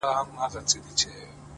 خو هغې دغه ډالۍ،